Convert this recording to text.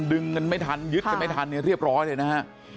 ดึงเงินไม่ทันยึดกันไม่ทันเนี่ยเรียบร้อยเลยนะฮะ